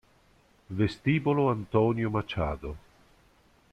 Vestibolo Antonio Machado